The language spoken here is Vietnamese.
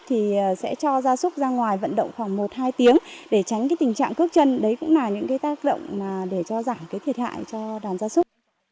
thì sẽ cho gia súc ra ngoài vận động khoảng một hai tiếng để tránh tình trạng cước chân đấy cũng là những tác động để cho giảm thiệt hại cho đàn gia súc